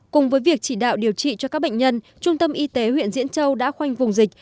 cùng với việc chỉ đạo điều trị cho các bệnh nhân trung tâm y tế huyện diễn châu đã khoanh vùng dịch